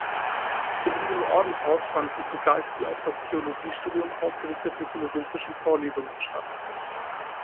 In diesem Ordenshaus fanden zugleich die auf das Theologiestudium ausgerichteten philosophischen Vorlesungen statt.